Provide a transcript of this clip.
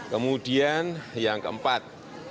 kemudian yang keempat